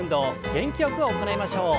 元気よく行いましょう。